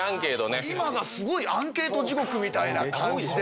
今がすごいアンケート地獄みたいな感じで。